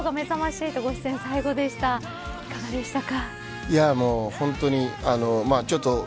いかがでしたか。